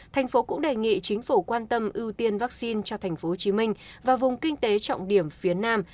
thành phố cũng đề nghị chính phủ quan tâm ưu tiên vaccine cho tp hcm và vùng kinh tế trọng điểm phía nam